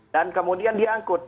dan kemudian diangkut